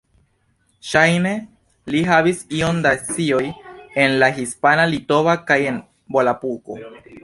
Ŝajne li havis iom da scioj en la hispana, litova kaj en Volapuko.